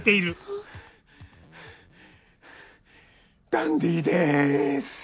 ダンディーです。